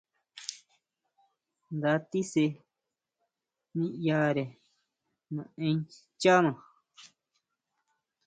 Nda tisʼe niʼyare naʼen xchana.